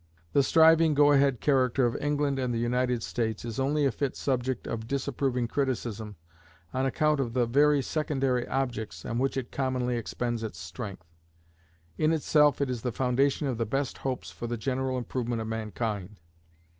The striving, go ahead character of England and the United States is only a fit subject of disapproving criticism on account of the very secondary objects on which it commonly expends its strength. In itself it is the foundation of the best hopes for the general improvement of mankind.